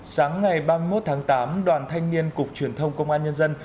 sáng ngày ba mươi một tháng tám đoàn thanh niên cục truyền thông công an nhân dân